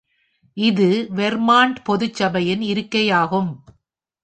இது வெர்மான்ட் பொதுச் சபையின் இருக்கையாகும்.